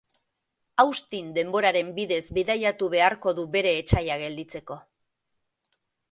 Austin denboraren bidez bidaiatu beharko du bere etsaia gelditzeko.